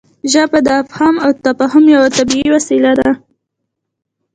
ژبه د افهام او تفهیم یوه طبیعي وسیله ده.